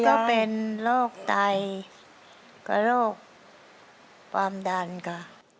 ตอนนี้ก็เป็นโรคไตก็โรคความดันค่ะ